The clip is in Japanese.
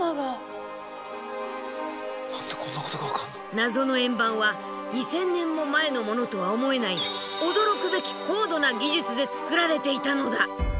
謎の円盤は２，０００年も前のものとは思えない驚くべき高度な技術で作られていたのだ。